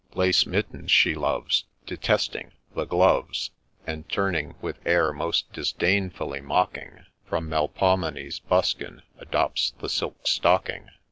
' Lace mittens she loves, Detesting ' The Gloves ;' And turning, with air most disdainfully mocking, From Melpomene's buskin, adopts the silk stocking.